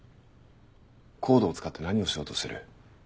ＣＯＤＥを使って何をしようとしてる？